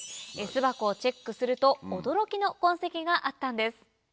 巣箱をチェックすると驚きの痕跡があったんです。